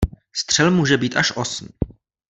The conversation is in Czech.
Střel může být až osm.